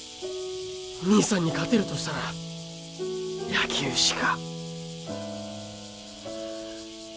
兄さんに勝てるとしたら野球しか。